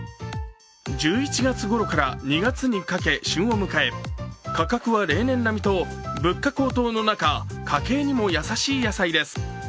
１１月ごろから２月にかけ旬を迎え価格は例年並みと物価高騰の中、家計にも優しい野菜です。